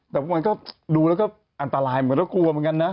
แต่มันก็ดูแล้วก็อันตรายเหมือนก็กลัวเหมือนกันนะ